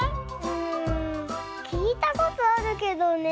うんきいたことあるけどね。